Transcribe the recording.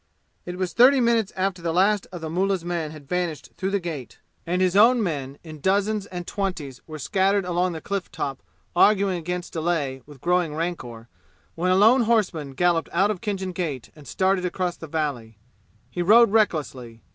It was thirty minutes after the last of the mullahs men had vanished through the gate, and his own men in dozens and twenties were scattered along the cliff top arguing against delay with growing rancor, when a lone horseman galloped out of Khinjan Gate and started across the valley. He rode recklessly.